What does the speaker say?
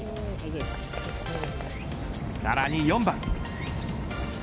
さらに４番。